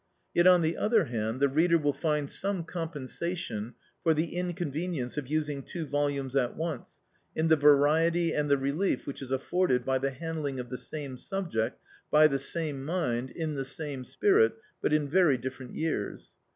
Yet, on the other hand, the reader will find some compensation for the inconvenience of using two volumes at once, in the variety and the relief which is afforded by the handling of the same subject, by the same mind, in the same spirit, but in very different years.